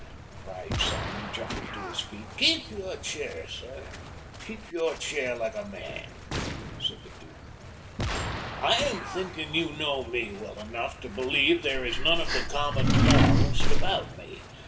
cried Simon, jumping to his feet. "Keep your chair, sir! keep your chair like a man!" said the Duke. "I am thinking you know me well enough to believe there is none of the common moralist about me.